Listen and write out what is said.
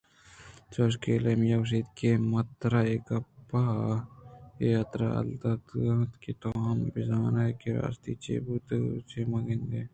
چوش کہ ایمیلیا ءَ گوٛشت من ترا اے گپاں اے حاترا حال دیگ ءَ آں کہ تو ہم بہ زانئے کہ راستی ءَ چے بوئگ ءَ اِنت آ کہ ماگندگ ءَ ایں مئے باور اِنت